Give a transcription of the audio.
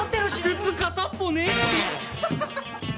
靴片っぽねえし。